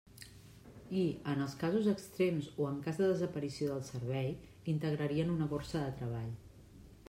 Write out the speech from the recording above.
I en els casos extrems o en cas de desaparició del servei, integrarien una borsa de treball.